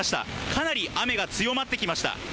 かなり雨が強まってきました。